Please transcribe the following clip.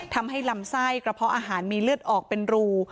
ทำให้ลำไส้กระเพาะอาหารมีเลือดออกเป็นรู